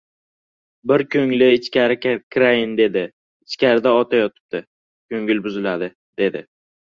Bir ko‘ngli, ichkari kirayin, dedi. Ichkarida ota yotibdi, ko‘ngil buziladi, dedi.